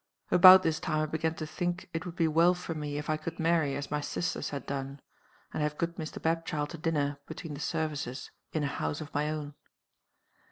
About this time I began to think it would be well for me if I could marry as my sisters had done; and have good Mr. Bapchild to dinner, between the services, in a house of my own.